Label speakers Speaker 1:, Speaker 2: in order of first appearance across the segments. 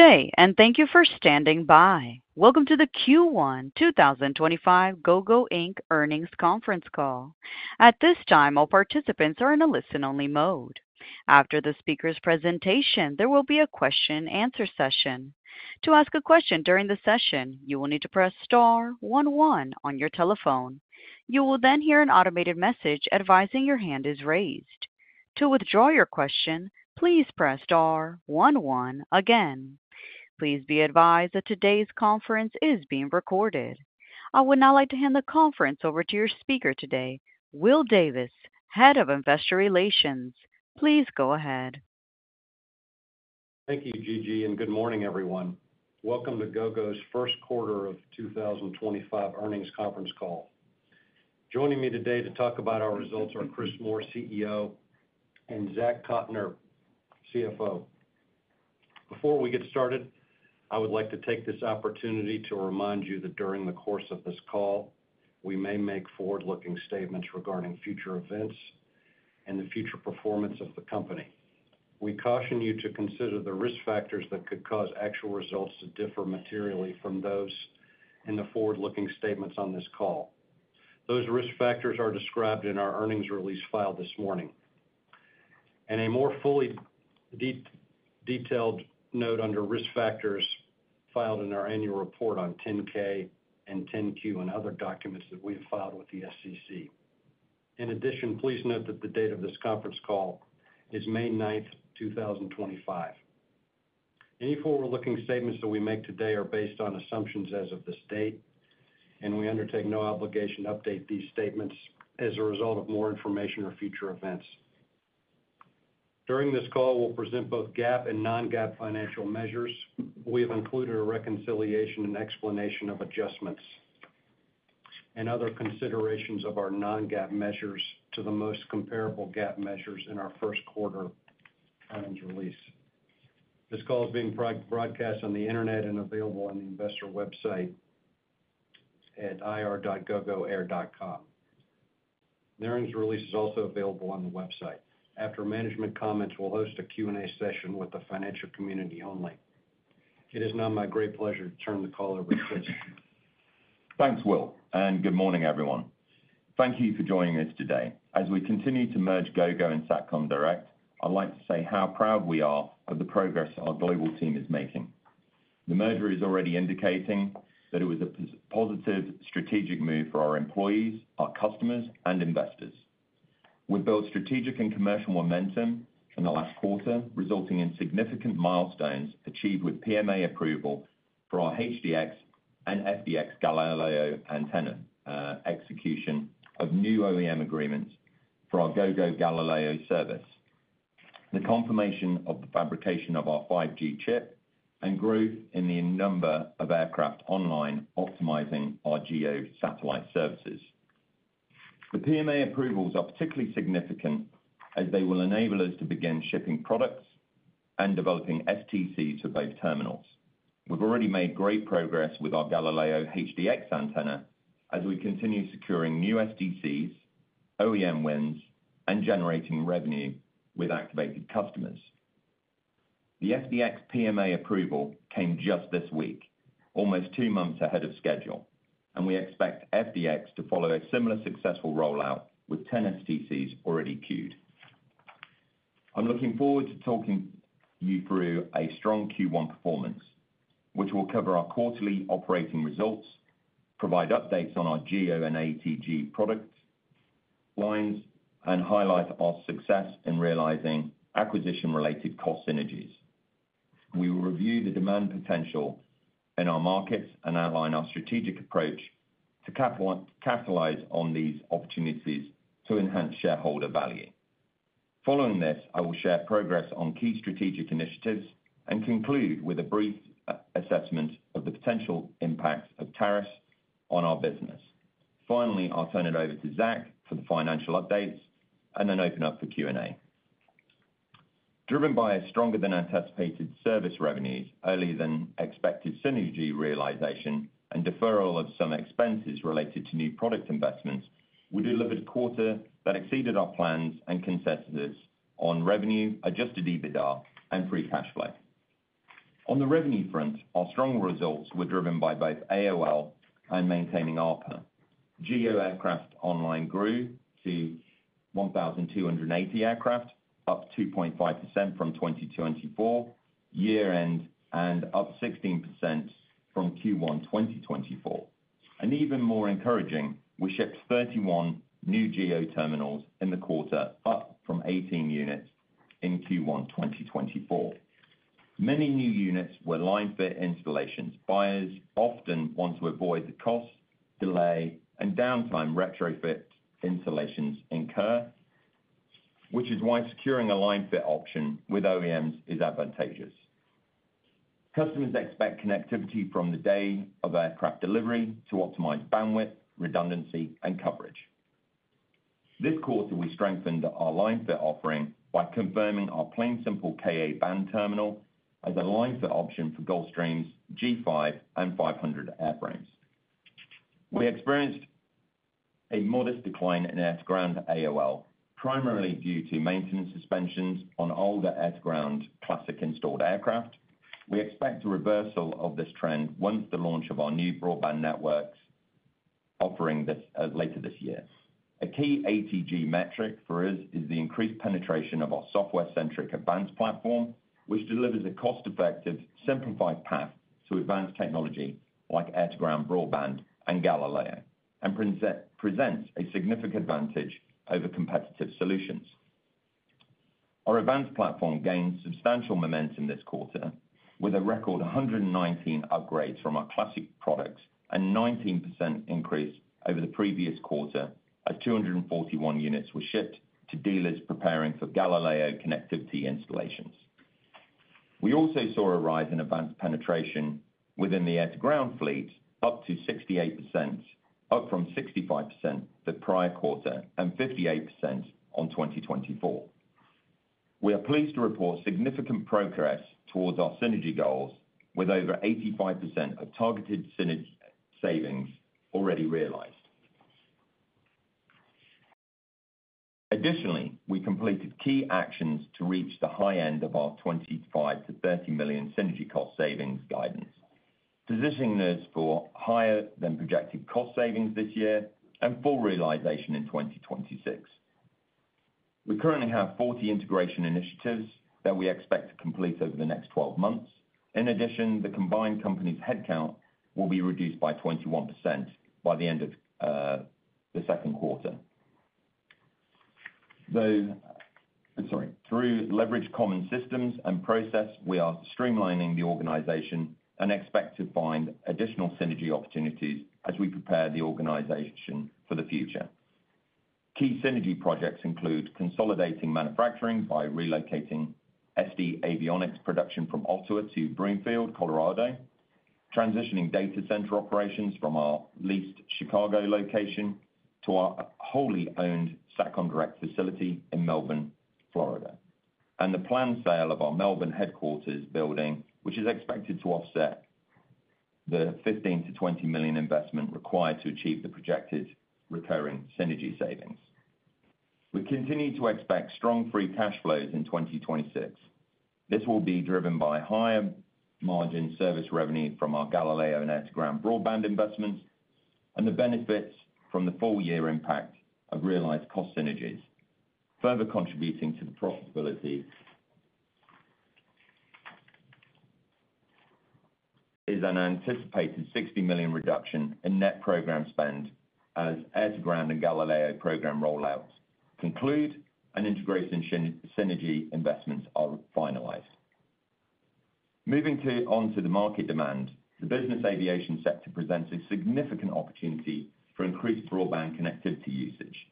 Speaker 1: Good day, and thank you for standing by. Welcome to the Q1 2025 Gogo earnings conference call. At this time, all participants are in a listen-only mode. After the speaker's presentation, there will be a question-and-answer session. To ask a question during the session, you will need to press star 11 on your telephone. You will then hear an automated message advising your hand is raised. To withdraw your question, please press star 11 again. Please be advised that today's conference is being recorded. I would now like to hand the conference over to your speaker today, Will Davis, Head of Investor Relations. Please go ahead.
Speaker 2: Thank you, Gigi, and good morning, everyone. Welcome to Gogo's first quarter of 2025 earnings conference call. Joining me today to talk about our results are Chris Moore, CEO, and Zach Cotner, CFO. Before we get started, I would like to take this opportunity to remind you that during the course of this call, we may make forward-looking statements regarding future events and the future performance of the company. We caution you to consider the risk factors that could cause actual results to differ materially from those in the forward-looking statements on this call. Those risk factors are described in our earnings release filed this morning, and a more fully detailed note under risk factors filed in our annual report on 10-K and 10-Q and other documents that we have filed with the SEC. In addition, please note that the date of this conference call is May 9th, 2025. Any forward-looking statements that we make today are based on assumptions as of this date, and we undertake no obligation to update these statements as a result of more information or future events. During this call, we'll present both GAAP and non-GAAP financial measures. We have included a reconciliation and explanation of adjustments and other considerations of our non-GAAP measures to the most comparable GAAP measures in our first quarter earnings release. This call is being broadcast on the internet and available on the investor website at ir.gogoair.com. The earnings release is also available on the website. After management comments, we'll host a Q&A session with the financial community only. It is now my great pleasure to turn the call over to Chris.
Speaker 3: Thanks, Will, and good morning, everyone. Thank you for joining us today. As we continue to merge Gogo and Satcom Direct, I'd like to say how proud we are of the progress our global team is making. The merger is already indicating that it was a positive strategic move for our employees, our customers, and investors. We built strategic and commercial momentum in the last quarter, resulting in significant milestones achieved with PMA approval for our HDX and FDX Galileo antenna, execution of new OEM agreements for our Gogo Galileo service, the confirmation of the fabrication of our 5G chip, and growth in the number of aircraft online optimizing our geo-satellite services. The PMA approvals are particularly significant as they will enable us to begin shipping products and developing STCs for both terminals. We've already made great progress with our Galileo HDX antenna as we continue securing new STCs, OEM wins, and generating revenue with activated customers. The FDX PMA approval came just this week, almost two months ahead of schedule, and we expect FDX to follow a similar successful rollout with 10 STCs already queued. I'm looking forward to talking you through a strong Q1 performance, which will cover our quarterly operating results, provide updates on our GEO and ATG product lines, and highlight our success in realizing acquisition-related cost synergies. We will review the demand potential in our markets and outline our strategic approach to capitalize on these opportunities to enhance shareholder value. Following this, I will share progress on key strategic initiatives and conclude with a brief assessment of the potential impact of tariffs on our business. Finally, I'll turn it over to Zach for the financial updates and then open up for Q&A. Driven by a stronger-than-anticipated service revenues, earlier-than-expected synergy realization, and deferral of some expenses related to new product investments, we delivered a quarter that exceeded our plans and consensus on revenue, adjusted EBITDA, and free cash flow. On the revenue front, our strong results were driven by both AOL and maintaining ARPU. GEO aircraft online grew to 1,280 aircraft, up 2.5% from 2024 year-end, and up 16% from Q1 2024. Even more encouraging, we shipped 31 new GEO terminals in the quarter, up from 18 units in Q1 2024. Many new units were line-fit installations. Buyers often want to avoid the cost, delay, and downtime retrofit installations incur, which is why securing a line-fit option with OEMs is advantageous. Customers expect connectivity from the day of aircraft delivery to optimize bandwidth, redundancy, and coverage. This quarter, we strengthened our line-fit offering by confirming our Plane Simple Ka-band terminal as a line-fit option for Gulfstream's G5 and G500 airframes. We experienced a modest decline in air-to-ground AOL, primarily due to maintenance suspensions on older air-to-ground classic installed aircraft. We expect a reversal of this trend once the launch of our new broadband networks is offered later this year. A key ATG metric for us is the increased penetration of our software-centric advanced platform, which delivers a cost-effective, simplified path to advanced technology like air-to-ground broadband and Galileo, and presents a significant advantage over competitive solutions. Our advanced platform gained substantial momentum this quarter with a record 119 upgrades from our classic products and a 19% increase over the previous quarter as 241 units were shipped to dealers preparing for Galileo connectivity installations. We also saw a rise in advanced penetration within the air-to-ground fleet, up to 68%, up from 65% the prior quarter and 58% in 2024. We are pleased to report significant progress towards our synergy goals, with over 85% of targeted synergy savings already realized. Additionally, we completed key actions to reach the high end of our $25 million-$30 million synergy cost savings guidance, positioning us for higher-than-projected cost savings this year and full realization in 2026. We currently have 40 integration initiatives that we expect to complete over the next 12 months. In addition, the combined company's headcount will be reduced by 21% by the end of the second quarter. Through leveraged common systems and process, we are streamlining the organization and expect to find additional synergy opportunities as we prepare the organization for the future. Key synergy projects include consolidating manufacturing by relocating SD Avionics production from Ottawa to Broomfield, Colorado, transitioning data center operations from our leased Chicago location to our wholly owned Satcom Direct facility in Melbourne, Florida, and the planned sale of our Melbourne headquarters building, which is expected to offset the $15million-$20 million investment required to achieve the projected recurring synergy savings. We continue to expect strong free cash flows in 2026. This will be driven by higher margin service revenue from our Galileo and air-to-ground broadband investments and the benefits from the full-year impact of realized cost synergies, further contributing to the profitability of an anticipated $60 million reduction in net program spend as air-to-ground and Galileo program rollouts conclude and integration synergy investments are finalized. Moving on to the market demand, the business aviation sector presents a significant opportunity for increased broadband connectivity usage.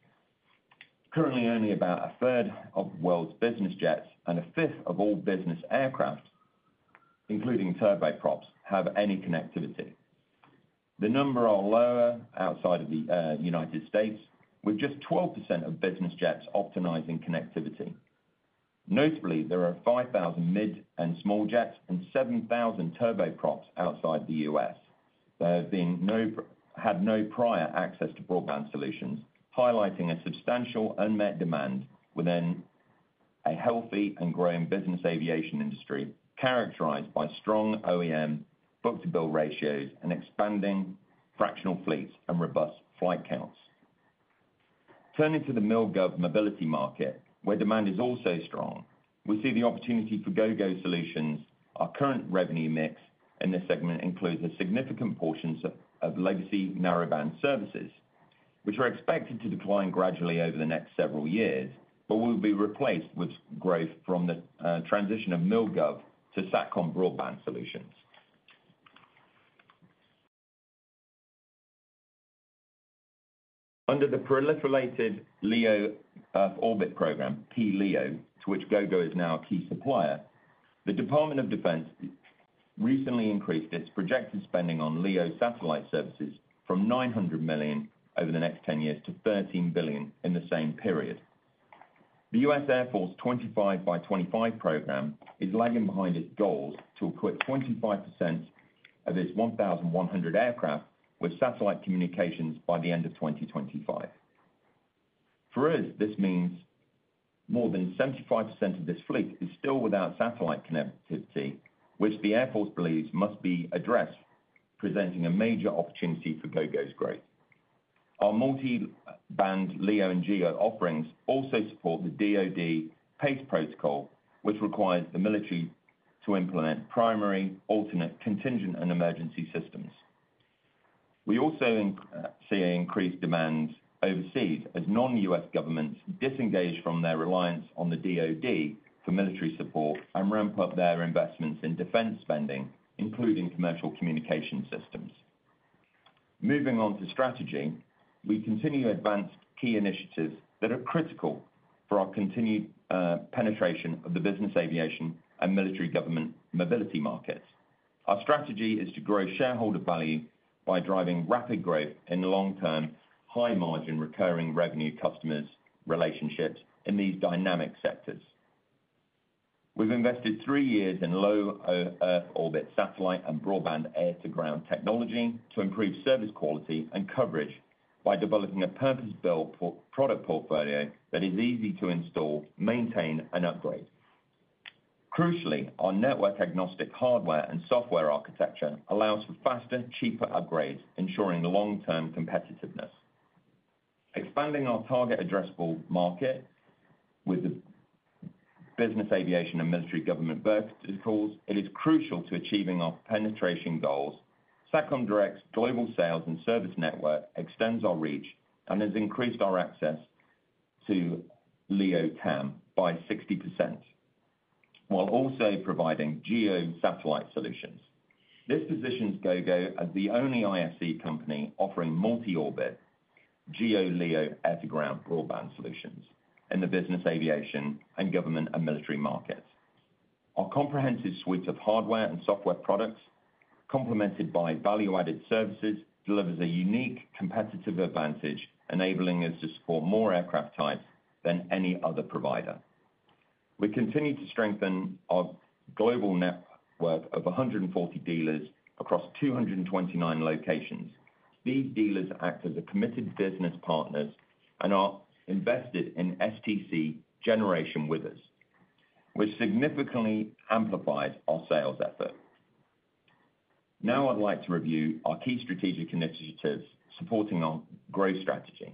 Speaker 3: Currently, only about a third of the world's business jets and a fifth of all business aircraft, including turboprops, have any connectivity. The numbers are lower outside of the U.S., with just 12% of business jets optimizing connectivity. Notably, there are 5,000 mid and small jets and 7,000 turboprops outside the U.S. that have had no prior access to broadband solutions, highlighting a substantial unmet demand within a healthy and growing business aviation industry characterized by strong OEM book-to-bill ratios and expanding fractional fleets and robust flight counts. Turning to the MilGov mobility market, where demand is also strong, we see the opportunity for Gogo solutions. Our current revenue mix in this segment includes a significant portion of legacy narrowband services, which are expected to decline gradually over the next several years, but will be replaced with growth from the transition of MilGov to Satcom broadband solutions. Under the proliferated LEO orbit program, PLEO, to which Gogo is now a key supplier, the Department of Defense recently increased its projected spending on LEO satellite services from $900 million over the next 10 years to $13 billion in the same period. The US Air Force's 25 by 25 program is lagging behind its goals to equip 25% of its 1,100 aircraft with satellite communications by the end of 2025. For us, this means more than 75% of this fleet is still without satellite connectivity, which the Air Force believes must be addressed, presenting a major opportunity for Gogo's growth. Our multi-band LEO and GEO offerings also support the DOD PACE protocol, which requires the military to implement primary, alternate, contingent, and emergency systems. We also see an increased demand overseas as non-U.S. governments disengage from their reliance on the DOD for military support and ramp up their investments in defense spending, including commercial communication systems. Moving on to strategy, we continue to advance key initiatives that are critical for our continued penetration of the business aviation and military government mobility markets. Our strategy is to grow shareholder value by driving rapid growth in long-term, high-margin, recurring revenue customers' relationships in these dynamic sectors. We've invested three years in low Earth orbit satellite and broadband air-to-ground technology to improve service quality and coverage by developing a purpose-built product portfolio that is easy to install, maintain, and upgrade. Crucially, our network-agnostic hardware and software architecture allows for faster, cheaper upgrades, ensuring long-term competitiveness. Expanding our target addressable market with the business aviation and military government verticals, it is crucial to achieving our penetration goals. Satcom Direct's global sales and service network extends our reach and has increased our access to LEO TAM by 60%, while also providing geo-satellite solutions. This positions Gogo as the only ISC company offering multi-orbit geo-LEO air-to-ground broadband solutions in the business aviation and government and military markets. Our comprehensive suite of hardware and software products, complemented by value-added services, delivers a unique competitive advantage, enabling us to support more aircraft types than any other provider. We continue to strengthen our global network of 140 dealers across 229 locations. These dealers act as committed business partners and are invested in STC generation with us, which significantly amplifies our sales effort. Now, I'd like to review our key strategic initiatives supporting our growth strategy.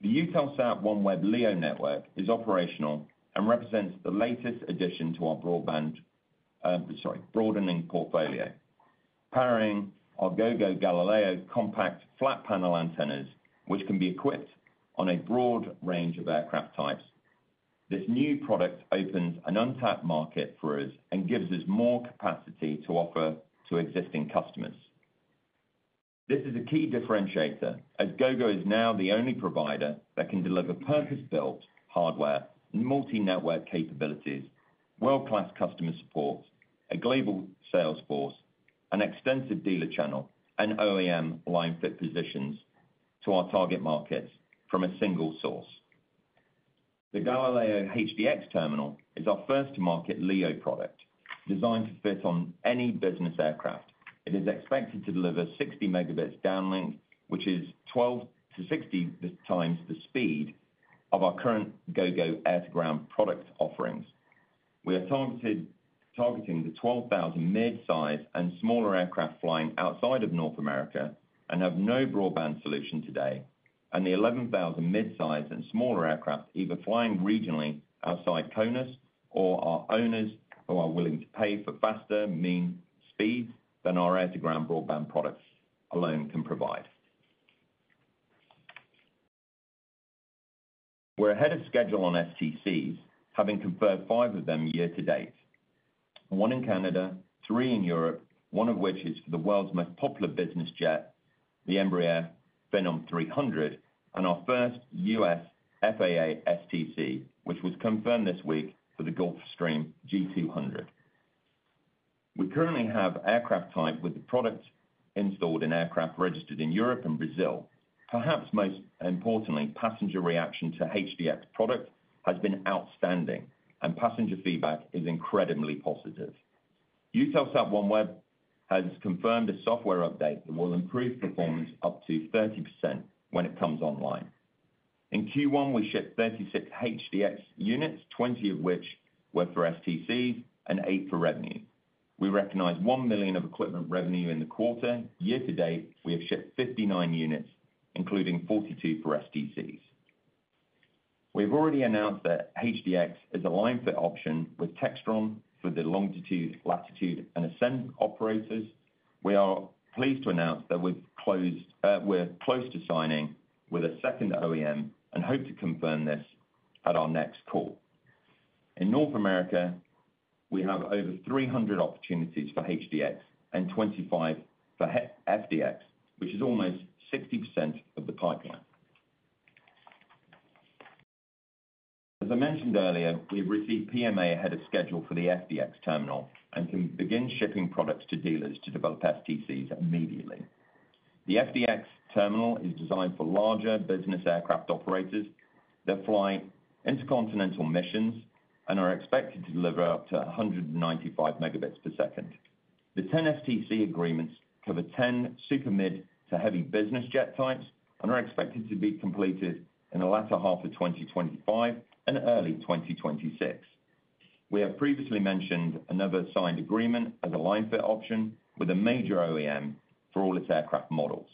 Speaker 3: The Eutelsat OneWeb LEO network is operational and represents the latest addition to our broadening portfolio, pairing our Gogo Galileo compact flat panel antennas, which can be equipped on a broad range of aircraft types. This new product opens an untapped market for us and gives us more capacity to offer to existing customers. This is a key differentiator as Gogo is now the only provider that can deliver purpose-built hardware and multi-network capabilities, world-class customer support, a global sales force, an extensive dealer channel, and OEM line-fit positions to our target markets from a single source. The Galileo HDX terminal is our first-to-market LEO product designed to fit on any business aircraft. It is expected to deliver 60 Mbps downlinked, which is 12x-60x the speed of our current Gogo air-to-ground product offerings. We are targeting the 12,000 mid-size and smaller aircraft flying outside of North America and have no broadband solution today, and the 11,000 mid-size and smaller aircraft either flying regionally outside CONUS or are owners who are willing to pay for faster mean speeds than our air-to-ground broadband products alone can provide. We're ahead of schedule on STCs, having conferred five of them year to date: one in Canada, three in Europe, one of which is for the world's most popular business jet, the Embraer Phenom 300, and our first US FAA STC, which was confirmed this week for the Gulfstream G200. We currently have aircraft type with the product installed in aircraft registered in Europe and Brazil. Perhaps most importantly, passenger reaction to HDX product has been outstanding, and passenger feedback is incredibly positive. Eutelsat OneWeb has confirmed a software update that will improve performance up to 30% when it comes online. In Q1, we shipped 36 HDX units, 20 of which were for STCs and 8 for revenue. We recognize $1 million of equipment revenue in the quarter. Year to date, we have shipped 59 units, including 42 for STCs. We have already announced that HDX is a line-fit option with Textron for the Longitude, Latitude, and Ascent operators. We are pleased to announce that we're close to signing with a second OEM and hope to confirm this at our next call. In North America, we have over 300 opportunities for HDX and 25 for FDX, which is almost 60% of the pipeline. As I mentioned earlier, we've received PMA ahead of schedule for the FDX terminal and can begin shipping products to dealers to develop STCs immediately. The FDX terminal is designed for larger business aircraft operators that fly intercontinental missions and are expected to deliver up to 195 Mbps. The 10 STC agreements cover 10 super mid to heavy business jet types and are expected to be completed in the latter half of 2025 and early 2026. We have previously mentioned another signed agreement as a line-fit option with a major OEM for all its aircraft models.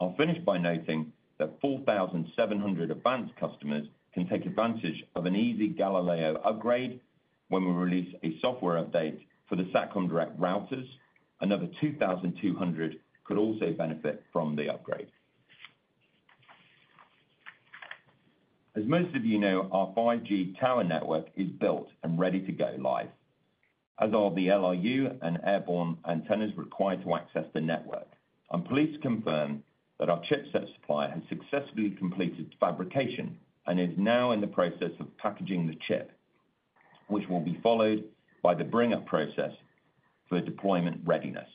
Speaker 3: I'll finish by noting that 4,700 advanced customers can take advantage of an easy Galileo upgrade when we release a software update for the Satcom Direct routers. Another 2,200 could also benefit from the upgrade. As most of you know, our 5G tower network is built and ready to go live, as are the LRU and airborne antennas required to access the network. I'm pleased to confirm that our chipset supplier has successfully completed fabrication and is now in the process of packaging the chip, which will be followed by the bring-up process for deployment readiness.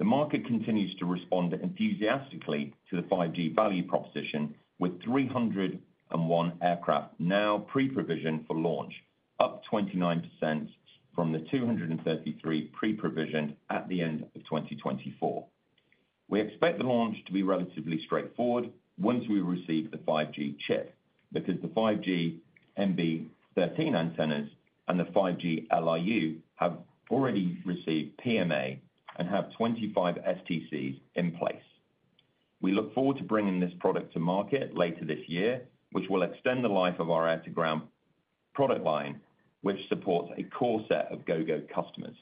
Speaker 3: The market continues to respond enthusiastically to the 5G value proposition, with 301 aircraft now pre-provisioned for launch, up 29% from the 233 pre-provisioned at the end of 2024. We expect the launch to be relatively straightforward once we receive the 5G chip because the 5G MB13 antennas and the 5G LRU have already received PMA and have 25 STCs in place. We look forward to bringing this product to market later this year, which will extend the life of our air-to-ground product line, which supports a core set of Gogo customers.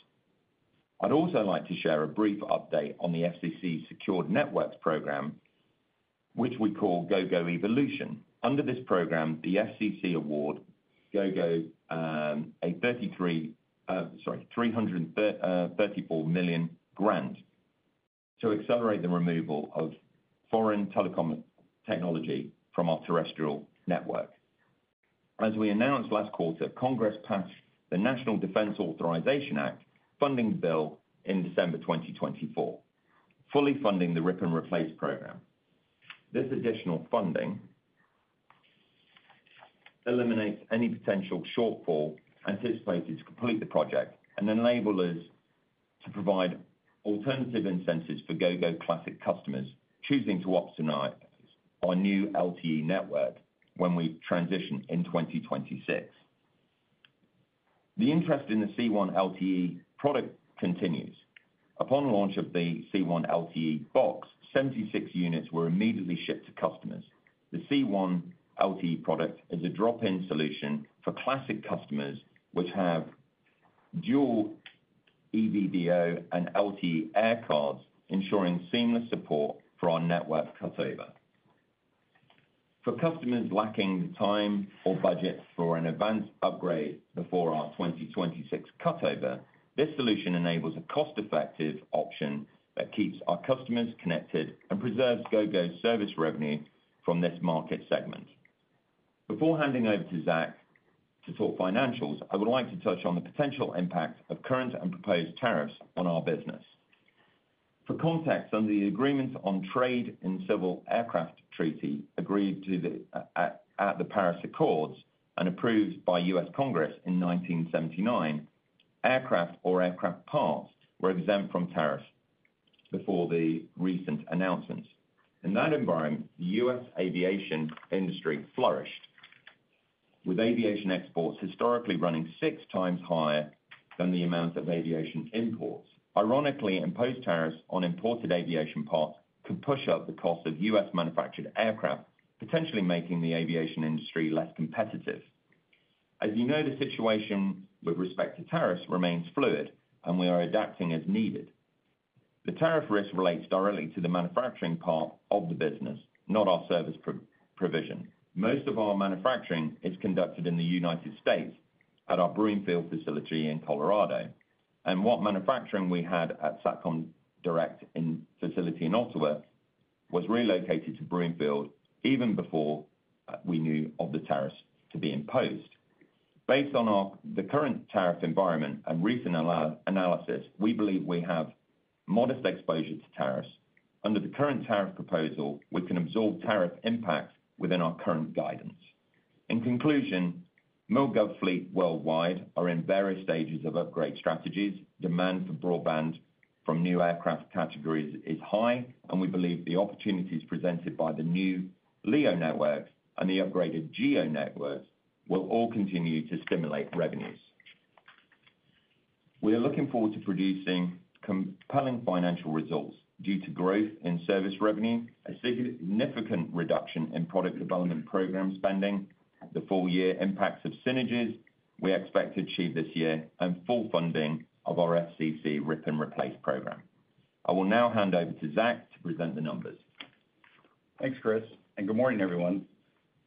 Speaker 3: I'd also like to share a brief update on the FCC Secured Networks Program, which we call Gogo Evolution. Under this program, the FCC awards Gogo a $334 million grant to accelerate the removal of foreign telecom technology from our terrestrial network. As we announced last quarter, Congress passed the National Defense Authorization Act funding bill in December 2024, fully funding the rip and replace program. This additional funding eliminates any potential shortfall anticipated to complete the project and enables us to provide alternative incentives for Gogo classic customers choosing to opt for our new LTE network when we transition in 2026. The interest in the C1 LTE product continues. Upon launch of the C1 LTE box, 76 units were immediately shipped to customers. The C1 LTE product is a drop-in solution for classic customers which have dual EVDO and LTE air cards, ensuring seamless support for our network cutover. For customers lacking the time or budget for an advanced upgrade before our 2026 cutover, this solution enables a cost-effective option that keeps our customers connected and preserves Gogo's service revenue from this market segment. Before handing over to Zach to talk financials, I would like to touch on the potential impact of current and proposed tariffs on our business. For context, under the Agreement on Trade in Civil Aircraft Treaty, agreed to at the Paris Accords and approved by U.S. Congress in 1979, aircraft or aircraft parts were exempt from tariffs before the recent announcements. In that environment, the U.S. aviation industry flourished, with aviation exports historically running 6x higher than the amount of aviation imports. Ironically, imposed tariffs on imported aviation parts could push up the cost of U.S.-manufactured aircraft, potentially making the aviation industry less competitive. As you know, the situation with respect to tariffs remains fluid, and we are adapting as needed. The tariff risk relates directly to the manufacturing part of the business, not our service provision. Most of our manufacturing is conducted in the United States at our Broomfield facility in Colorado, and what manufacturing we had at the Satcom Direct facility in Ottawa was relocated to Broomfield even before we knew of the tariffs to be imposed. Based on the current tariff environment and recent analysis, we believe we have modest exposure to tariffs. Under the current tariff proposal, we can absorb tariff impacts within our current guidance. In conclusion, MilGov fleet worldwide is in various stages of upgrade strategies. Demand for broadband from new aircraft categories is high, and we believe the opportunities presented by the new LEO networks and the upgraded GEO networks will all continue to stimulate revenues. We are looking forward to producing compelling financial results due to growth in service revenue, a significant reduction in product development program spending, and the full-year impacts of synergies we expect to achieve this year, and full funding of our FCC rip and replace program. I will now hand over to Zach to present the numbers.
Speaker 4: Thanks, Chris, and good morning, everyone.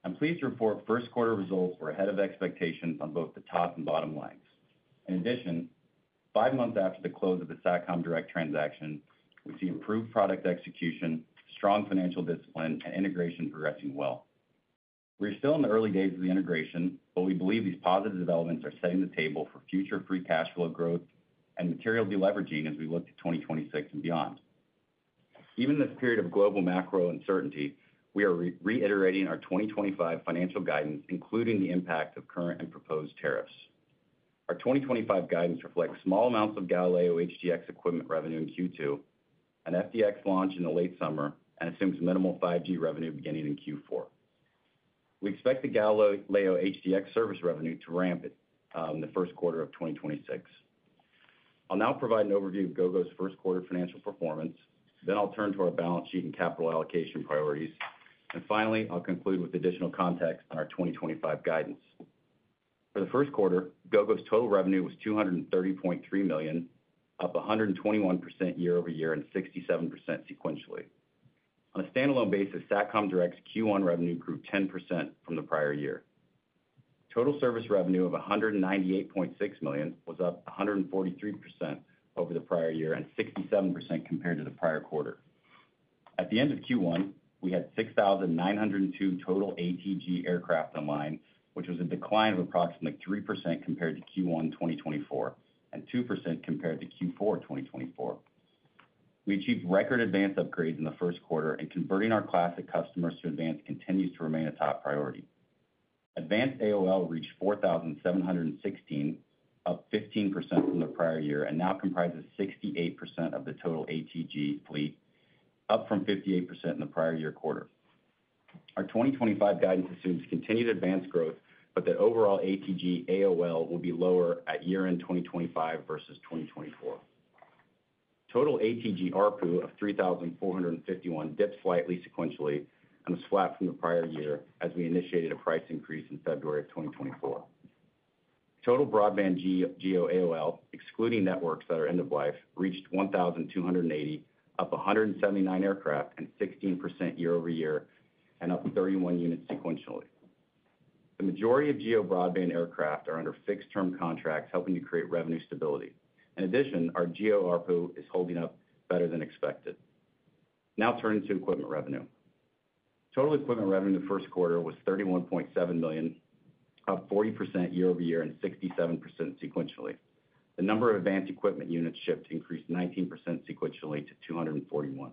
Speaker 4: I'm pleased to report first-quarter results were ahead of expectations on both the top and bottom lines. In addition, five months after the close of the Satcom Direct transaction, we see improved product execution, strong financial discipline, and integration progressing well. We are still in the early days of the integration, but we believe these positive developments are setting the table for future free cash flow growth and material deleveraging as we look to 2026 and beyond. Even in this period of global macro uncertainty, we are reiterating our 2025 financial guidance, including the impact of current and proposed tariffs. Our 2025 guidance reflects small amounts of Galileo HDX equipment revenue in Q2, an FDX launch in the late summer, and assumes minimal 5G revenue beginning in Q4. We expect the Galileo HDX service revenue to ramp in the first quarter of 2026. I'll now provide an overview of Gogo's first-quarter financial performance. I will turn to our balance sheet and capital allocation priorities. Finally, I'll conclude with additional context on our 2025 guidance. For the first quarter, Gogo's total revenue was $230.3 million, up 121% year-over-year and 67% sequentially. On a standalone basis, Satcom Direct's Q1 revenue grew 10% from the prior year. Total service revenue of $198.6 million was up 143% over the prior year and 67% compared to the prior quarter. At the end of Q1, we had 6,902 total ATG aircraft online, which was a decline of approximately 3% compared to Q1 2024 and 2% compared to Q4 2024. We achieved record advanced upgrades in the first quarter, and converting our classic customers to advanced continues to remain a top priority. Advanced AOL reached 4,716, up 15% from the prior year, and now comprises 68% of the total ATG fleet, up from 58% in the prior year quarter. Our 2025 guidance assumes continued advanced growth, but that overall ATG AOL will be lower at year-end 2025 versus 2024. Total ATG ARPU of $3,451 dipped slightly sequentially and was flat from the prior year as we initiated a price increase in February of 2024. Total broadband GEO AOL, excluding networks that are end-of-life, reached 1,280, up 179 aircraft and 16% year-over-year, and up 31 units sequentially. The majority of GEO broadband aircraft are under fixed-term contracts, helping to create revenue stability. In addition, our GEO ARPU is holding up better than expected. Now turning to equipment revenue. Total equipment revenue in the first quarter was $31.7 million, up 40% year-over-year and 67% sequentially. The number of advanced equipment units shipped increased 19% sequentially to 241.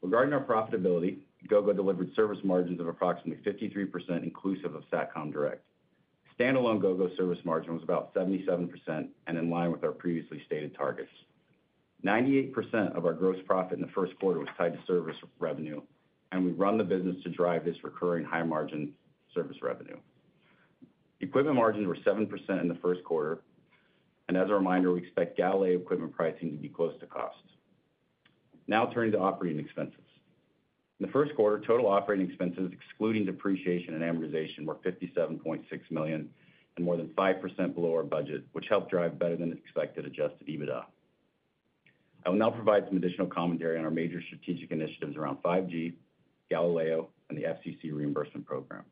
Speaker 4: Regarding our profitability, Gogo delivered service margins of approximately 53% inclusive of Satcom Direct. Standalone Gogo service margin was about 77% and in line with our previously stated targets. 98% of our gross profit in the first quarter was tied to service revenue, and we run the business to drive this recurring high margin service revenue. Equipment margins were 7% in the first quarter, and as a reminder, we expect Galileo equipment pricing to be close to cost. Now turning to operating expenses. In the first quarter, total operating expenses, excluding depreciation and amortization, were $57.6 million and more than 5% below our budget, which helped drive better than expected adjusted EBITDA. I will now provide some additional commentary on our major strategic initiatives around 5G, Galileo, and the FCC reimbursement program.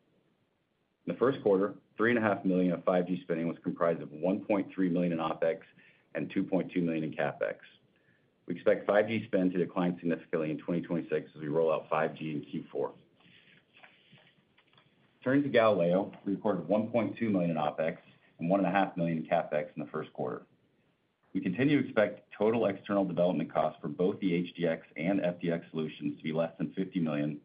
Speaker 4: In the first quarter, $3.5 million of 5G spending was comprised of $1.3 million in OpEx and $2.2 million in CapEx. We expect 5G spend to decline significantly in 2026 as we roll out 5G in Q4. Turning to Galileo, we recorded $1.2 million in OpEx and $1.5 million in CapEx in the first quarter. We continue to expect total external development costs for both the HDX and FDX solutions to be less than $50 million,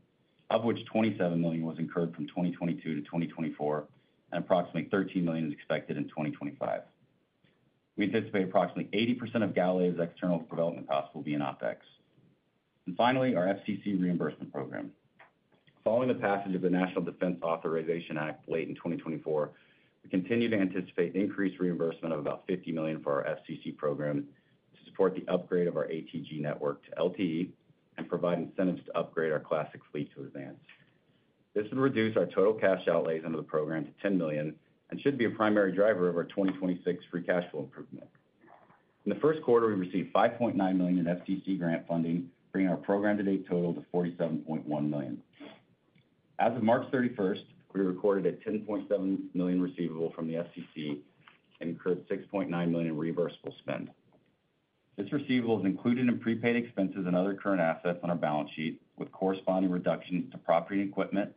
Speaker 4: of which $27 million was incurred from 2022 to 2024, and approximately $13 million is expected in 2025. We anticipate approximately 80% of Galileo's external development costs will be in OpEx. Finally, our FCC reimbursement program. Following the passage of the National Defense Authorization Act late in 2024, we continue to anticipate increased reimbursement of about $50 million for our FCC program to support the upgrade of our ATG network to LTE and provide incentives to upgrade our classic fleet to advance. This would reduce our total cash outlays under the program to $10 million and should be a primary driver of our 2026 free cash flow improvement. In the first quarter, we received $5.9 million in FCC grant funding, bringing our program-to-date total to $47.1 million. As of March 31, we recorded a $10.7 million receivable from the FCC and incurred $6.9 million in reimbursable spend. This receivable is included in prepaid expenses and other current assets on our balance sheet, with corresponding reductions to property and equipment,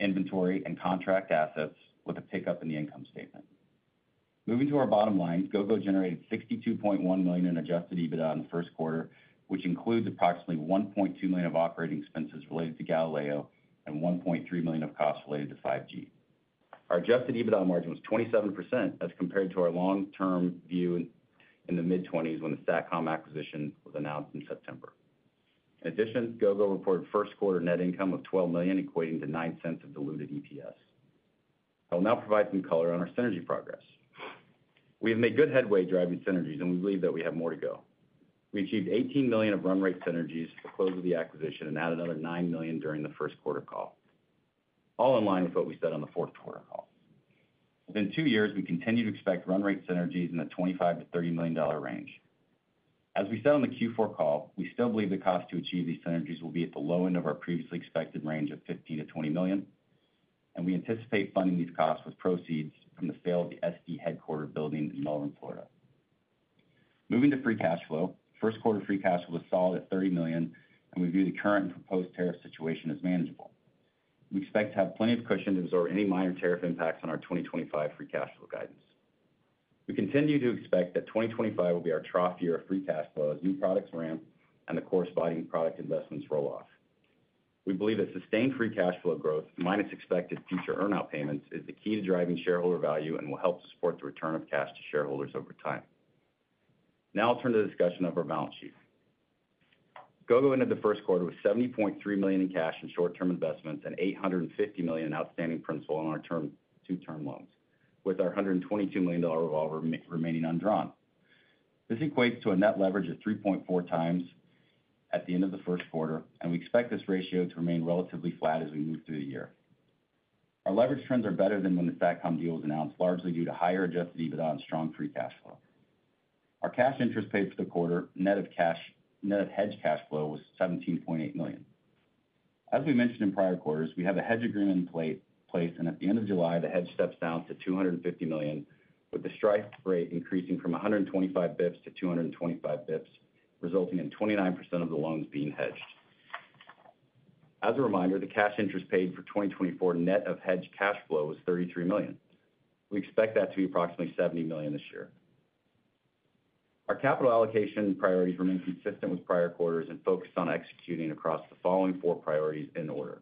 Speaker 4: inventory, and contract assets, with a pickup in the income statement. Moving to our bottom line, Gogo generated $62.1 million in adjusted EBITDA in the first quarter, which includes approximately $1.2 million of operating expenses related to Galileo and $1.3 million of costs related to 5G. Our adjusted EBITDA margin was 27% as compared to our long-term view in the mid-20s when the Satcom acquisition was announced in September. In addition, Gogo reported first-quarter net income of $12 million, equating to $0.09 of diluted EPS. I will now provide some color on our synergy progress. We have made good headway driving synergies, and we believe that we have more to go. We achieved $18 million of run-rate synergies at the close of the acquisition and added another $9 million during the first quarter call, all in line with what we said on the fourth quarter call. Within two years, we continue to expect run-rate synergies in the $25-$30 million range. As we said on the Q4 call, we still believe the cost to achieve these synergies will be at the low end of our previously expected range of $15-$20 million, and we anticipate funding these costs with proceeds from the sale of the SD headquarter building in Melbourne, Florida. Moving to free cash flow, first-quarter free cash flow was solid at $30 million, and we view the current and proposed tariff situation as manageable. We expect to have plenty of cushion to absorb any minor tariff impacts on our 2025 free cash flow guidance. We continue to expect that 2025 will be our trough year of free cash flow as new products ramp and the corresponding product investments roll off. We believe that sustained free cash flow growth, minus expected future earnout payments, is the key to driving shareholder value and will help support the return of cash to shareholders over time. Now I'll turn to the discussion of our balance sheet. Gogo ended the first quarter with $70.3 million in cash and short-term investments and $850 million in outstanding principal on our two-term loans, with our $122 million revolver remaining undrawn. This equates to a net leverage of 3.4x at the end of the first quarter, and we expect this ratio to remain relatively flat as we move through the year. Our leverage trends are better than when the Satcom Direct deal was announced, largely due to higher adjusted EBITDA and strong free cash flow. Our cash interest paid for the quarter, net of hedge cash flow, was $17.8 million. As we mentioned in prior quarters, we have a hedge agreement in place, and at the end of July, the hedge steps down to $250 million, with the strike rate increasing from 125 basis points to 225 basis points, resulting in 29% of the loans being hedged. As a reminder, the cash interest paid for 2024 net of hedge cash flow was $33 million. We expect that to be approximately $70 million this year. Our capital allocation priorities remain consistent with prior quarters and focus on executing across the following four priorities in order.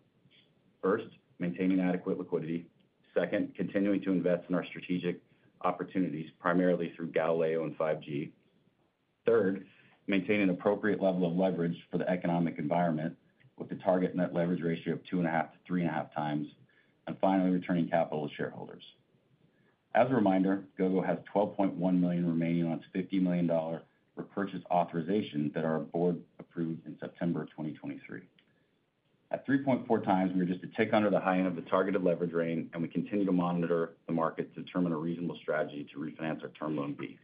Speaker 4: First, maintaining adequate liquidity. Second, continuing to invest in our strategic opportunities, primarily through Galileo and 5G. Third, maintaining an appropriate level of leverage for the economic environment, with the target net leverage ratio of 2.5x-3.5x, and finally, returning capital to shareholders. As a reminder, Gogo has $12.1 million remaining on its $50 million repurchase authorization that our board approved in September 2023. At 3.4x, we are just a tick under the high end of the targeted leverage range, and we continue to monitor the market to determine a reasonable strategy to refinance our term loan B.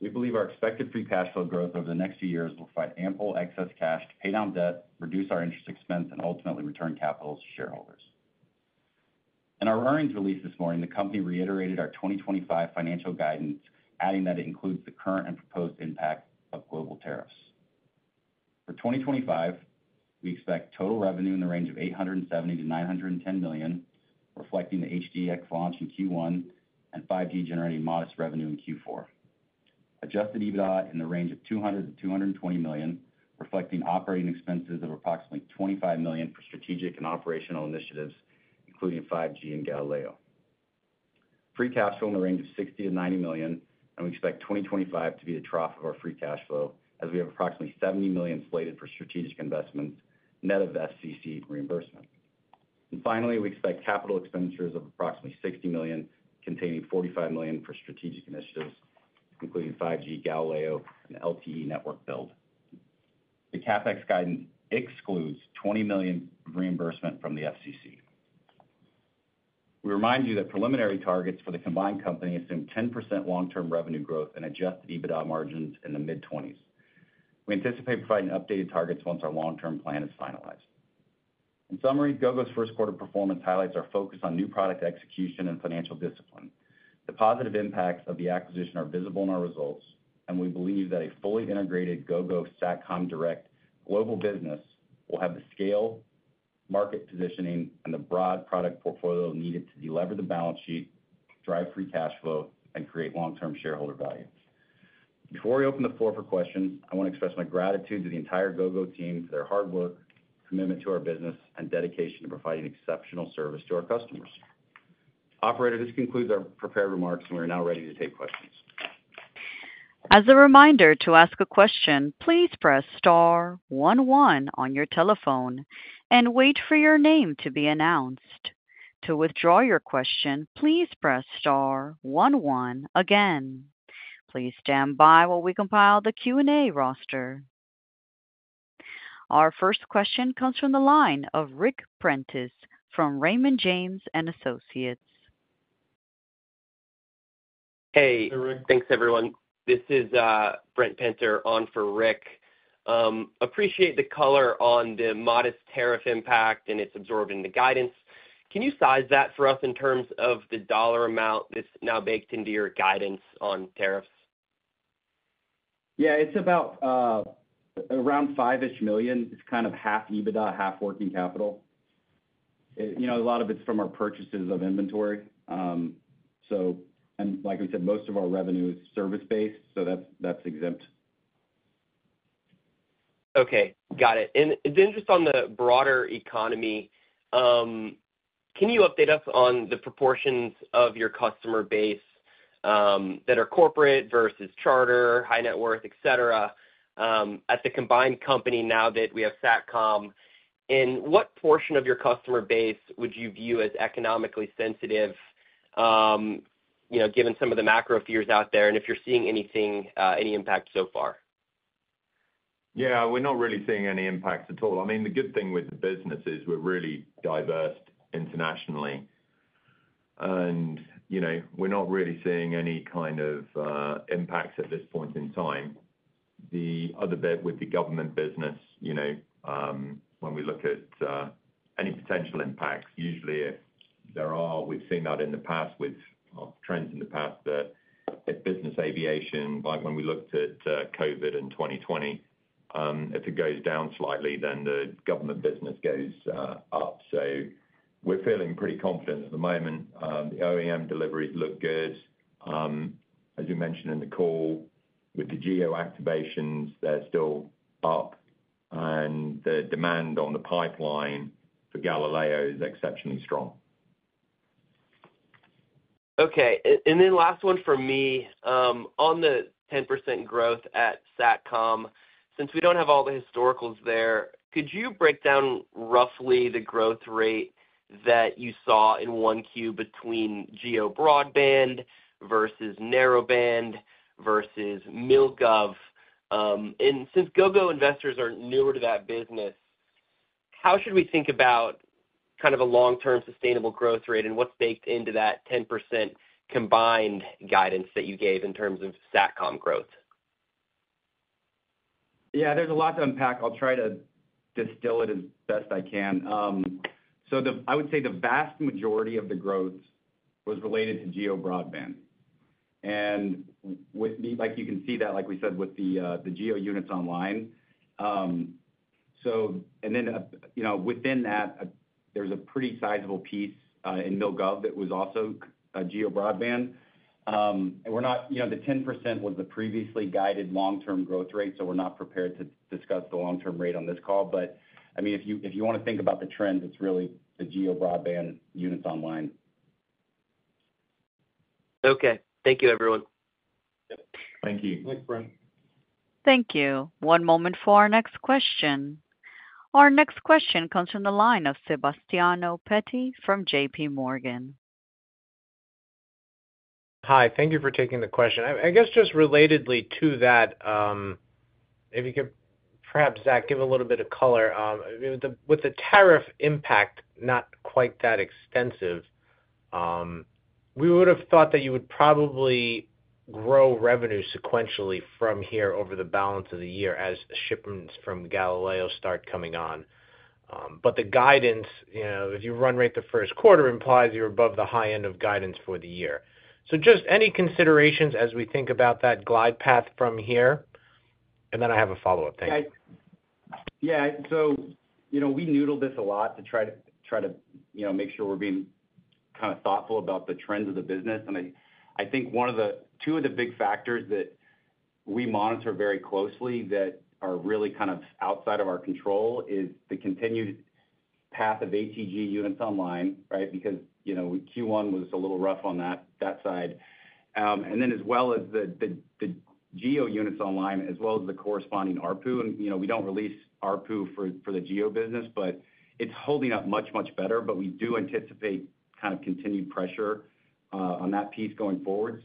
Speaker 4: We believe our expected free cash flow growth over the next few years will provide ample excess cash to pay down debt, reduce our interest expense, and ultimately return capital to shareholders. In our earnings release this morning, the company reiterated our 2025 financial guidance, adding that it includes the current and proposed impact of global tariffs. For 2025, we expect total revenue in the range of $870 million-$910 million, reflecting the HDX launch in Q1 and 5G generating modest revenue in Q4. Adjusted EBITDA in the range of $200 million-$220 million, reflecting operating expenses of approximately $25 million for strategic and operational initiatives, including 5G and Galileo. Free cash flow in the range of $60 million-$90 million, and we expect 2025 to be the trough of our free cash flow as we have approximately $70 million slated for strategic investments, net of FCC reimbursement. Finally, we expect capital expenditures of approximately $60 million, containing $45 million for strategic initiatives, including 5G, Galileo, and LTE network build. The capital expenditures guidance excludes $20 million reimbursement from the FCC. We remind you that preliminary targets for the combined company assume 10% long-term revenue growth and adjusted EBITDA margins in the mid-20s. We anticipate providing updated targets once our long-term plan is finalized. In summary, Gogo's first-quarter performance highlights our focus on new product execution and financial discipline. The positive impacts of the acquisition are visible in our results, and we believe that a fully integrated Gogo Satcom Direct global business will have the scale, market positioning, and the broad product portfolio needed to deliver the balance sheet, drive free cash flow, and create long-term shareholder value. Before we open the floor for questions, I want to express my gratitude to the entire Gogo team, for their hard work, commitment to our business, and dedication to providing exceptional service to our customers. Operator, this concludes our prepared remarks, and we are now ready to take questions.
Speaker 1: As a reminder to ask a question, please press star 11 on your telephone and wait for your name to be announced. To withdraw your question, please press star 11 again. Please stand by while we compile the Q&A roster. Our first question comes from the line of Ric Prentiss from Raymond James & Associates.
Speaker 5: Hey. Hey, Rick. Thanks, everyone. This is Brent Penter, on for Rick. Appreciate the color on the modest tariff impact and its absorbing the guidance. Can you size that for us in terms of the dollar amount that's now baked into your guidance on tariffs?
Speaker 4: Yeah, it's about around $5 million. It's kind of half EBITDA, half working capital. A lot of it's from our purchases of inventory. And like I said, most of our revenue is service-based, so that's exempt.
Speaker 5: Okay. Got it. Just on the broader economy, can you update us on the proportions of your customer base that are corporate versus charter, high net worth, etc., at the combined company now that we have Satcom? What portion of your customer base would you view as economically sensitive, given some of the macro fears out there, and if you're seeing any impact so far?
Speaker 3: Yeah, we're not really seeing any impact at all. I mean, the good thing with the business is we're really diverse internationally, and we're not really seeing any kind of impacts at this point in time. The other bit with the government business, when we look at any potential impacts, usually if there are, we've seen that in the past with trends in the past that if business aviation, like when we looked at COVID in 2020, if it goes down slightly, then the government business goes up. So we're feeling pretty confident at the moment. The OEM deliveries look good. As we mentioned in the call, with the GEO activations, they're still up, and the demand on the pipeline for Galileo is exceptionally strong.
Speaker 5: Okay. And then last one for me. On the 10% growth at Satcom, since we don't have all the historicals there, could you break down roughly the growth rate that you saw in one Q between GEO Broadband versus Narrowband versus MilGov? Since Gogo investors are newer to that business, how should we think about kind of a long-term sustainable growth rate and what's baked into that 10% combined guidance that you gave in terms of Satcom growth?
Speaker 4: Yeah, there's a lot to unpack. I'll try to distill it as best I can. I would say the vast majority of the growth was related to Geo Broadband. Like you can see that, like we said, with the Geo units online. Within that, there's a pretty sizable piece in MilGov that was also Geo Broadband. The 10% was the previously guided long-term growth rate, so we're not prepared to discuss the long-term rate on this call. I mean, if you want to think about the trend, it's really the Geo Broadband units online. Okay. Thank you, everyone.
Speaker 3: Thank you. Thanks, Brent. Thank you.
Speaker 1: One moment for our next question. Our next question comes from the line of Sebastiano Petti from JPMorgan.
Speaker 6: Hi. Thank you for taking the question. I guess just relatedly to that, if you could perhaps, Zach, give a little bit of color. With the tariff impact, not quite that extensive, we would have thought that you would probably grow revenue sequentially from here over the balance of the year as shipments from Galileo start coming on. The guidance, if you run rate the first quarter, implies you're above the high end of guidance for the year. Just any considerations as we think about that glide path from here? I have a follow-up. Thanks.
Speaker 4: Yeah. We noodle this a lot to try to make sure we're being kind of thoughtful about the trends of the business. I think two of the big factors that we monitor very closely that are really kind of outside of our control is the continued path of ATG units online, right? Q1 was a little rough on that side. As well as the Geo units online, as well as the corresponding ARPU. We do not release ARPU for the Geo business, but it is holding up much, much better. We do anticipate kind of continued pressure on that piece going forward.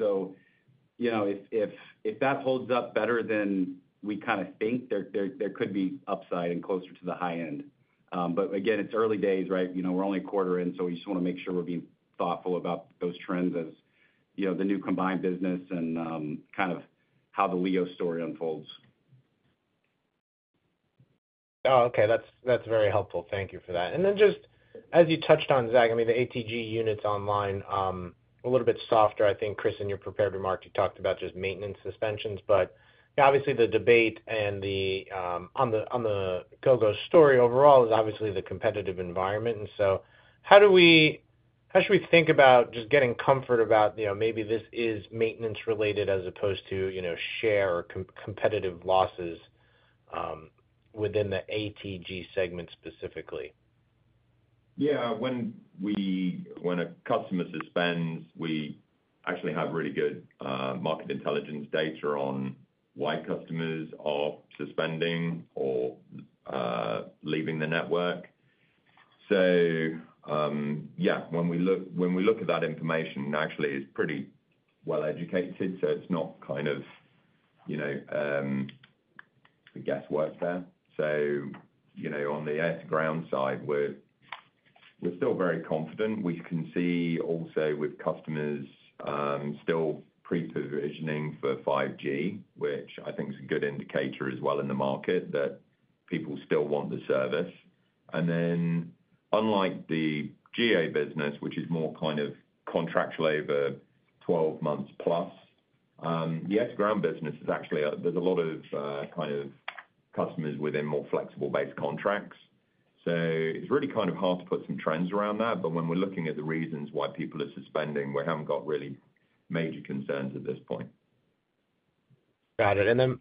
Speaker 4: If that holds up better than we kind of think, there could be upside and closer to the high end. Again, it is early days, right? We are only a quarter in, so we just want to make sure we are being thoughtful about those trends as the new combined business and kind of how the Leo story unfolds.
Speaker 6: Oh, okay. That is very helpful. Thank you for that. And then just as you touched on, Zach, I mean, the ATG units online, a little bit softer. I think, Chris, in your prepared remark, you talked about just maintenance suspensions. Obviously, the debate on the Gogo story overall is obviously the competitive environment. How should we think about just getting comfort about maybe this is maintenance-related as opposed to share or competitive losses within the ATG segment specifically?
Speaker 3: Yeah. When a customer suspends, we actually have really good market intelligence data on why customers are suspending or leaving the network. Yeah, when we look at that information, actually, it's pretty well-educated, so it's not kind of a guesswork there. On the ground side, we're still very confident. We can see also with customers still pre-provisioning for 5G, which I think is a good indicator as well in the market that people still want the service. Unlike the GEO business, which is more kind of contractual over 12 months plus, the ATG business is actually there's a lot of kind of customers within more flexible-based contracts. It is really kind of hard to put some trends around that. When we're looking at the reasons why people are suspending, we haven't got really major concerns at this point.
Speaker 6: Got it.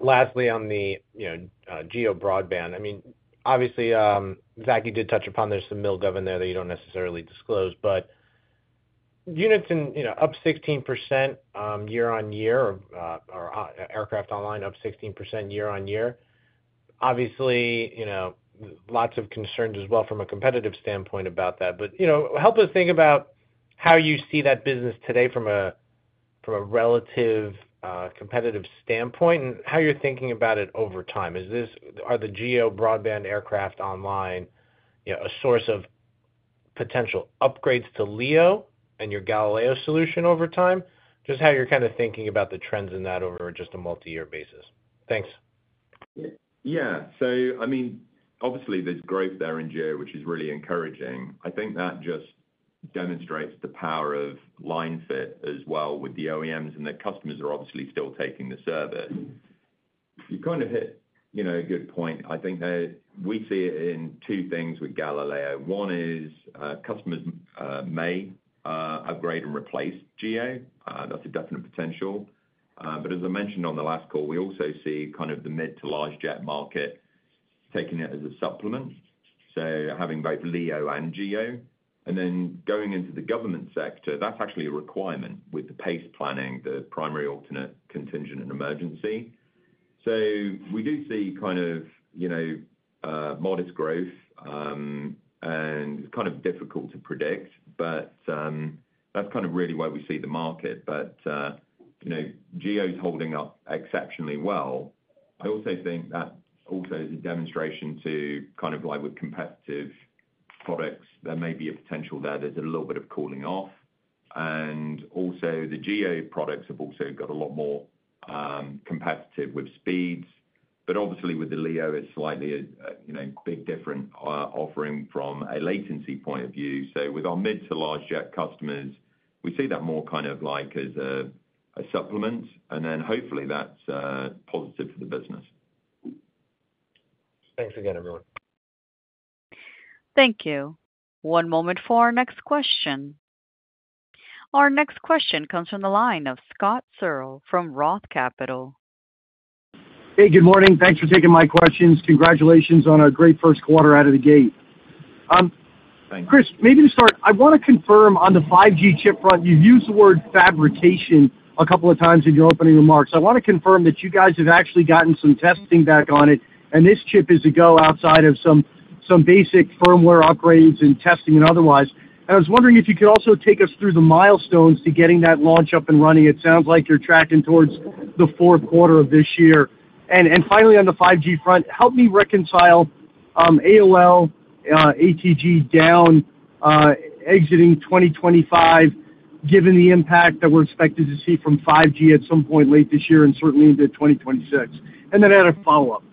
Speaker 6: Lastly, on the GEO Broadband, I mean, obviously, Zach, you did touch upon there's some MilGov in there that you don't necessarily disclose. Units up 16% year on year, or aircraft online up 16% year on year. Obviously, lots of concerns as well from a competitive standpoint about that. Help us think about how you see that business today from a relative competitive standpoint and how you're thinking about it over time. Are the GEO broadband aircraft online a source of potential upgrades to LEO and your Galileo solution over time? Just how you're kind of thinking about the trends in that over just a multi-year basis. Thanks.
Speaker 3: Yeah. I mean, obviously, there's growth there in GEO, which is really encouraging. I think that just demonstrates the power of line fit as well with the OEMs, and the customers are obviously still taking the service. You kind of hit a good point. I think we see it in two things with Galileo. One is customers may upgrade and replace GEO. That's a definite potential. As I mentioned on the last call, we also see kind of the mid to large jet market taking it as a supplement. So having both LEO and GEO. Then going into the government sector, that's actually a requirement with the PACE planning, the primary, alternate, contingent, and emergency. We do see kind of modest growth, and it's kind of difficult to predict, but that's really where we see the market. GEO is holding up exceptionally well. I also think that is a demonstration that with competitive products, there may be a potential that there's a little bit of cooling off. Also, the GEO products have got a lot more competitive with speeds. Obviously, with the LEO, it's slightly a big different offering from a latency point of view. With our mid to large jet customers, we see that more kind of like as a supplement, and then hopefully that's positive for the business.
Speaker 6: Thanks again, everyone.
Speaker 1: Thank you. One moment for our next question. Our next question comes from the line of Scott Searle from Roth Capital.
Speaker 7: Hey, good morning. Thanks for taking my questions. Congratulations on a great first quarter out of the gate. Thank you. Chris, maybe to start, I want to confirm on the 5G chip front, you've used the word fabrication a couple of times in your opening remarks. I want to confirm that you guys have actually gotten some testing back on it, and this chip is a go outside of some basic firmware upgrades and testing and otherwise. I was wondering if you could also take us through the milestones to getting that launch up and running. It sounds like you're tracking towards the fourth quarter of this year. Finally, on the 5G front, help me reconcile AOL, ATG down, exiting 2025, given the impact that we're expected to see from 5G at some point late this year and certainly into 2026. I had a follow-up.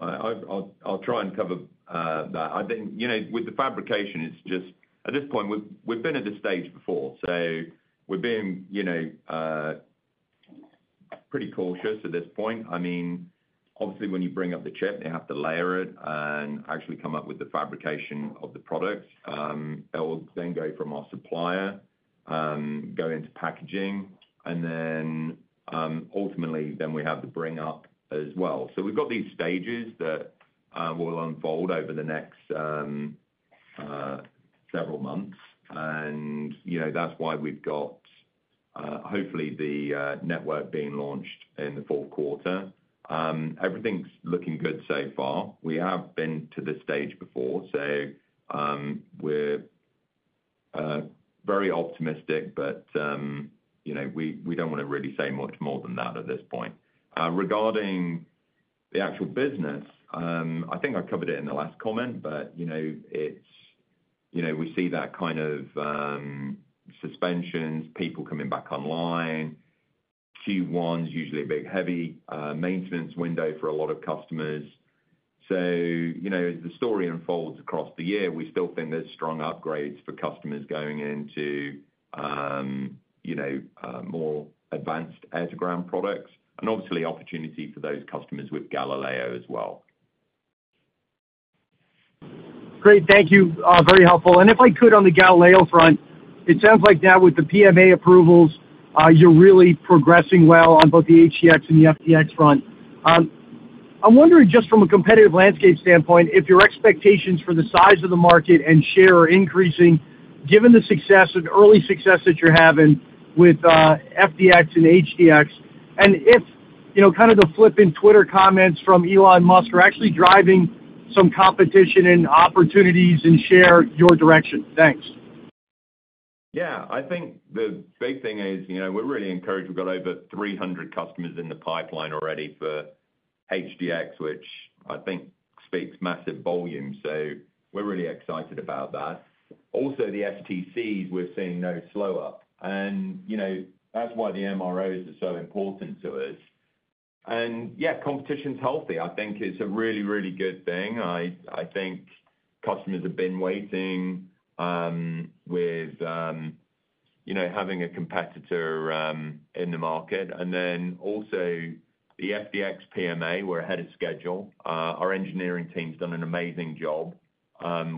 Speaker 3: I'll try and cover that. I think with the fabrication, it's just at this point, we've been at this stage before. We're being pretty cautious at this point. I mean, obviously, when you bring up the chip, they have to layer it and actually come up with the fabrication of the products. It will then go from our supplier, go into packaging, and then ultimately, then we have to bring up as well. We've got these stages that will unfold over the next several months. That is why we have hopefully the network being launched in the fourth quarter. Everything is looking good so far. We have been to this stage before, so we are very optimistic, but we do not want to really say much more than that at this point. Regarding the actual business, I think I covered it in the last comment, but we see that kind of suspensions, people coming back online, Q1 is usually a big heavy maintenance window for a lot of customers. As the story unfolds across the year, we still think there are strong upgrades for customers going into more advanced air-to-ground products and obviously opportunity for those customers with Galileo as well.
Speaker 7: Great. Thank you. Very helpful. If I could, on the Galileo front, it sounds like now with the PMA approvals, you are really progressing well on both the HDX and the FDX front. I'm wondering just from a competitive landscape standpoint, if your expectations for the size of the market and share are increasing, given the success and early success that you're having with FDX and HDX, and if kind of the flip in Twitter comments from Elon Musk are actually driving some competition and opportunities in share your direction. Thanks.
Speaker 3: Yeah. I think the big thing is we're really encouraged. We've got over 300 customers in the pipeline already for HDX, which I think speaks massive volume. So we're really excited about that. Also, the STCs we're seeing now slow up. That's why the MROs are so important to us. Yeah, competition's healthy, I think, is a really, really good thing. I think customers have been waiting with having a competitor in the market. Also, the FDX PMA, we're ahead of schedule. Our engineering team's done an amazing job.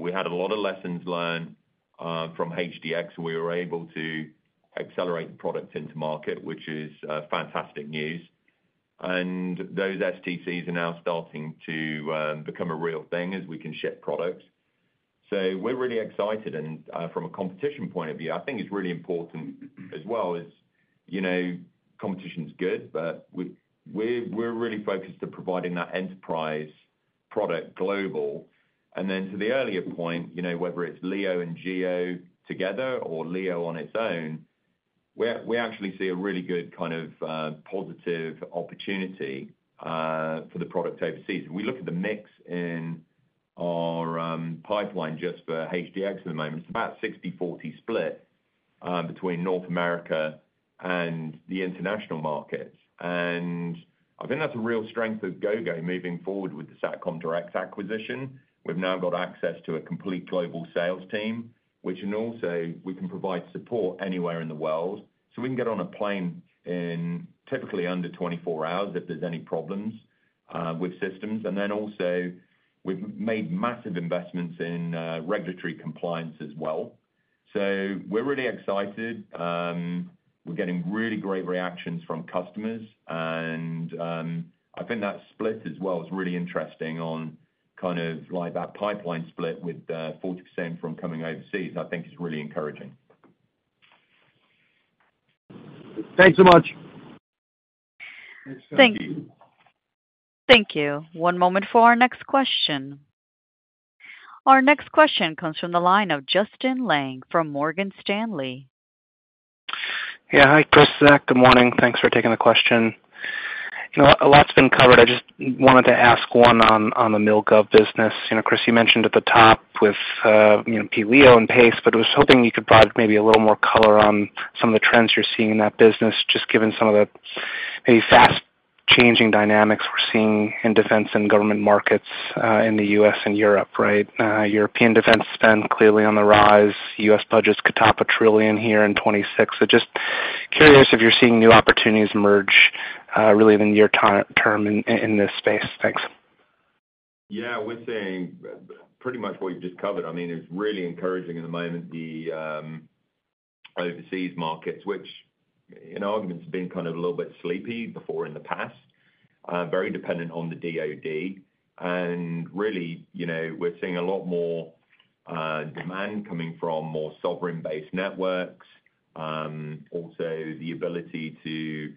Speaker 3: We had a lot of lessons learned from HDX. We were able to accelerate the product into market, which is fantastic news. Those STCs are now starting to become a real thing as we can ship products. We're really excited. From a competition point of view, I think it's really important as well as competition's good, but we're really focused on providing that enterprise product global. To the earlier point, whether it's LEO and GEO together or LEO on its own, we actually see a really good kind of positive opportunity for the product overseas. We look at the mix in our pipeline just for HDX at the moment. It's about 60/40 split between North America and the international markets. I think that's a real strength of Gogo moving forward with the Satcom Direct acquisition. We've now got access to a complete global sales team, which also we can provide support anywhere in the world. We can get on a plane in typically under 24 hours if there's any problems with systems. We've made massive investments in regulatory compliance as well. We're really excited. We're getting really great reactions from customers. I think that split as well is really interesting on kind of like that pipeline split with 40% from coming overseas. I think it's really encouraging.
Speaker 7: Thanks so much.
Speaker 3: Thanks
Speaker 1: Thank you. One moment for our next question. Our next question comes from the line of Justin Lang from Morgan Stanley.
Speaker 8: Yeah. Hi, Chris. Good morning. Thanks for taking the question. A lot's been covered. I just wanted to ask one on the MilGov business. Chris, you mentioned at the top with PLEO and PACE, but I was hoping you could provide maybe a little more color on some of the trends you're seeing in that business, just given some of the maybe fast-changing dynamics we're seeing in defense and government markets in the U.S. and Europe, right? European defense spend clearly on the rise. U.S. budgets could top $1 trillion here in 2026. Just curious if you're seeing new opportunities emerge really in the near term in this space. Thanks.
Speaker 3: Yeah. I would say pretty much what you've just covered. I mean, it's really encouraging at the moment the overseas markets, which in arguments have been kind of a little bit sleepy before in the past, very dependent on the DOD. Really, we're seeing a lot more demand coming from more sovereign-based networks, also the ability to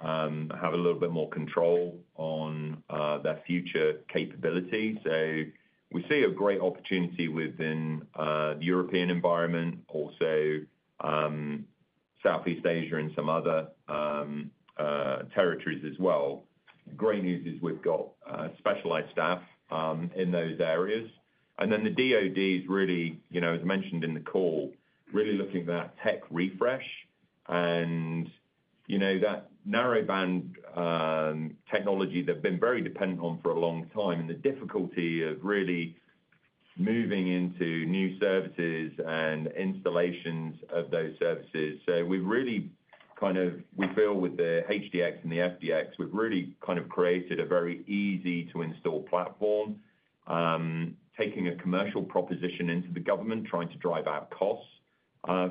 Speaker 3: have a little bit more control on their future capabilities. We see a great opportunity within the European environment, also Southeast Asia and some other territories as well. Great news is we've got specialized staff in those areas. The DOD is really, as mentioned in the call, really looking at that tech refresh and that narrowband technology that they've been very dependent on for a long time and the difficulty of really moving into new services and installations of those services. We really kind of, we feel with the HDX and the FDX, we've really kind of created a very easy-to-install platform, taking a commercial proposition into the government, trying to drive out costs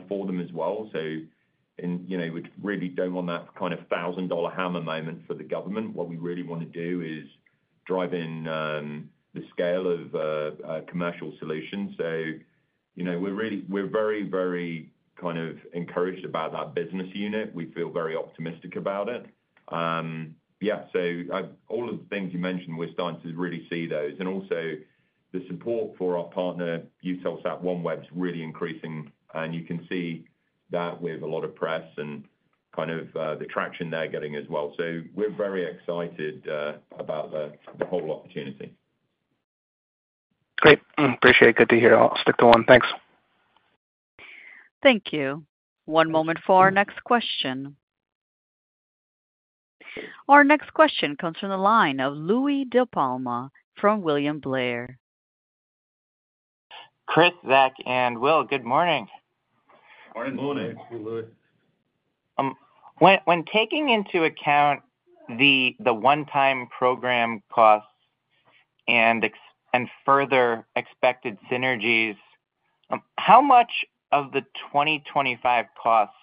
Speaker 3: for them as well. We really do not want that kind of thousand-dollar hammer moment for the government. What we really want to do is drive in the scale of commercial solutions. We are very, very encouraged about that business unit. We feel very optimistic about it. Yeah. All of the things you mentioned, we are starting to really see those. Also, the support for our partner, Eutelsat OneWeb, is really increasing. You can see that with a lot of press and the traction they are getting as well. We are very excited about the whole opportunity.
Speaker 8: Great. Appreciate it. Good to hear. I will stick to one. Thanks.
Speaker 1: Thank you. One moment for our next question. Our next question comes from the line of Louie DiPalma from William Blair.
Speaker 9: Chris, Zach, and Will, good morning. Morning. Good morning.
Speaker 4: Thank you, Louie.
Speaker 9: When taking into account the one-time program costs and further expected synergies, how much of the 2025 costs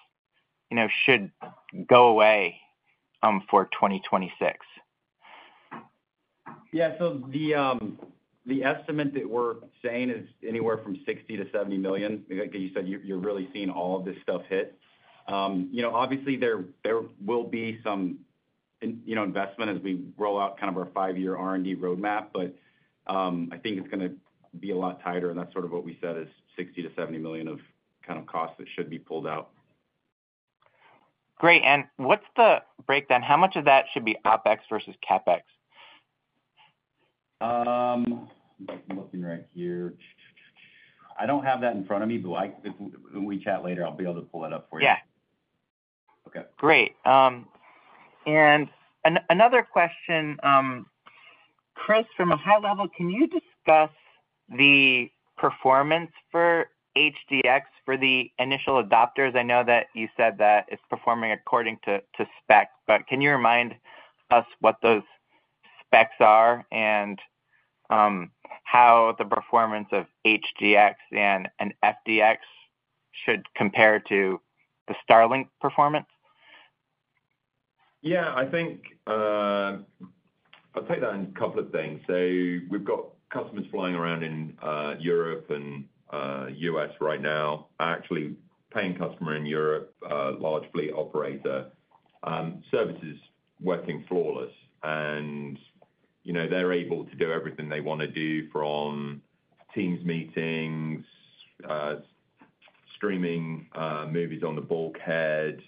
Speaker 9: should go away for 2026?
Speaker 4: Yeah. So the estimate that we're saying is anywhere from $60 million-$70 million. Like you said, you're really seeing all of this stuff hit. Obviously, there will be some investment as we roll out kind of our five-year R&D roadmap, but I think it's going to be a lot tighter. And that's sort of what we said is $60 million-$70 million of kind of costs that should be pulled out.
Speaker 9: Great. And what's the breakdown? How much of that should be OpEx versus CapEx?
Speaker 3: I'm looking right here. I don't have that in front of me, but when we chat later, I'll be able to pull it up for you.
Speaker 9: Yeah. Okay. Great. Another question, Chris, from a high level, can you discuss the performance for HDX for the initial adopters? I know that you said that it's performing according to spec, but can you remind us what those specs are and how the performance of HDX and FDX should compare to the Starlink performance?
Speaker 3: Yeah. I'll take that in a couple of things. We've got customers flying around in Europe and US right now, actually paying customer in Europe, large fleet operator, service is working flawless. They're able to do everything they want to do from Teams meetings, streaming movies on the bulkhead.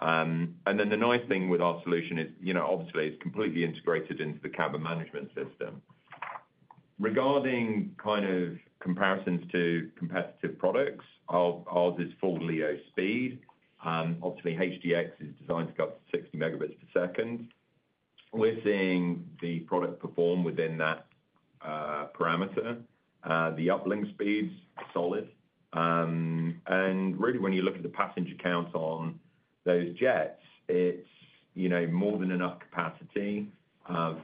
Speaker 3: The nice thing with our solution is, obviously, it's completely integrated into the cabin management system. Regarding comparisons to competitive products, ours is full LEO speed. Obviously, HDX is designed to go up to 60 megabits per second. We're seeing the product perform within that parameter. The uplink speed's solid. Really, when you look at the passenger count on those jets, it's more than enough capacity,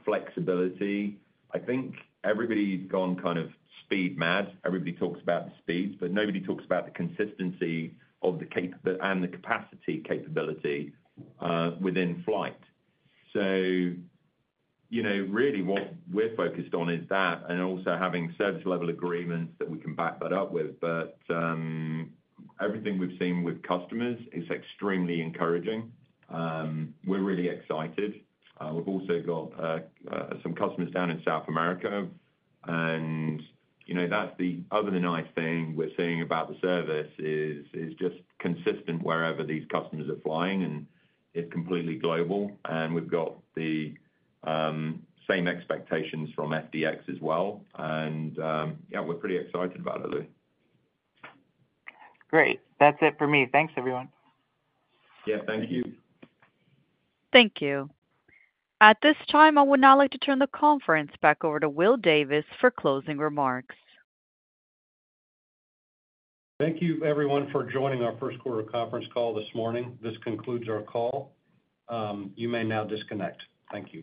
Speaker 3: flexibility. I think everybody's gone kind of speed mad. Everybody talks about the speeds, but nobody talks about the consistency and the capacity capability within flight. Really, what we're focused on is that and also having service-level agreements that we can back that up with. Everything we've seen with customers is extremely encouraging. We're really excited. We've also got some customers down in South America. That's the other nice thing we're seeing about the service is just consistent wherever these customers are flying, and it's completely global. We've got the same expectations from FDX as well. Yeah, we're pretty excited about it, Louis.
Speaker 9: Great. That's it for me. Thanks, everyone.
Speaker 3: Yeah. Thank you. Thank you.
Speaker 1: At this time, I would now like to turn the conference back over to Will Davis for closing remarks.
Speaker 2: Thank you, everyone, for joining our first quarter conference call this morning. This concludes our call. You may now disconnect. Thank you.